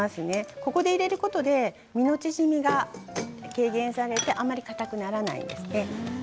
ここで入れることで身の縮みが軽減されてあまりかたくならないんですね。